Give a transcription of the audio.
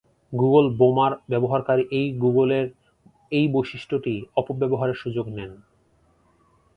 Google বোমা-র ব্যবহারকারী এই গুগলের এই বৈশিষ্ট্যটি অপব্যবহারের সুযোগ নেন।